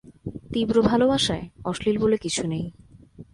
তীব্র ভালোবাসায় অশ্লীল বলে কিছু নেই।